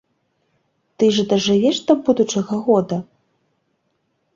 Ты ж дажывеш да будучага года?